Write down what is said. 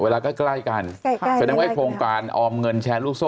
เวลาใกล้กันกายกันกับเดี๋ยวเองโครงการออมเงินแชร์ลูกโซ